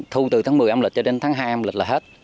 thu từ tháng một mươi âm lịch cho đến tháng hai âm lịch là hết